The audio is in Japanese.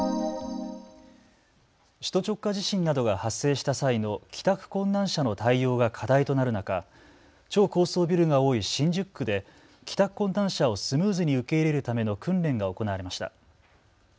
首都直下地震などが発生した際の帰宅困難者の対応が課題となる中、超高層ビルが多い新宿区で帰宅困難者をスムーズに受け入れるための訓練が行われました。